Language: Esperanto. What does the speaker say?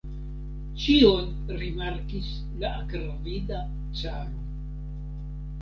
Ĉion rimarkis la akravida caro!